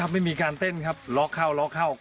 ไม่มีการเต้นล็อกคร่าวล็อกคร่าว